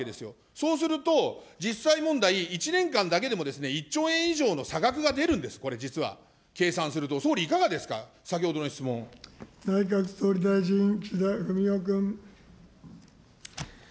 そうすると、実際問題、１年間だけでも１兆円以上の差額が出るんです、これ、実は計算すると、総理、内閣総理大臣、岸田文雄君。